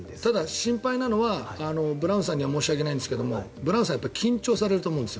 心配なのはブラウンさんには申し訳ないんですけどブラウンさん緊張されると思うんです。